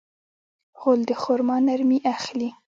غول د خرما نرمي اخلي.